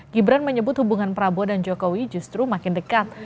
gibran menyebut hubungan prabowo dan jokowi justru makin dekat